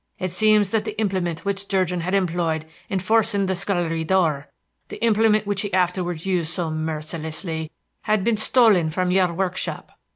It seems that the implement which Durgin had employed in forcing the scullery door the implement which he afterwards used so mercilessly had been stolen from your workshop.